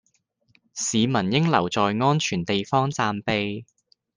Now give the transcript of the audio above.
市民應留在安全地方暫避